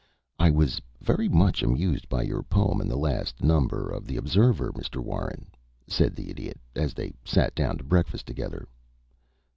"I was very much amused by your poem in the last number of the Observer, Mr. Warren," said the Idiot, as they sat down to breakfast together.